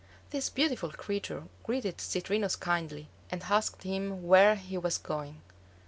This beautiful creature greeted Citrinus kindly and asked him where he was going.